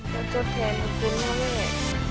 แล้วจดแทนขอบคุณพ่อแม่